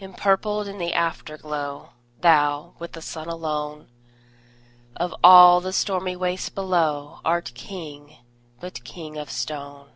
Empurpled in the Afterglow, Thou, with the Sun alone, Of all the stormy waste below, Art King, but king of stone!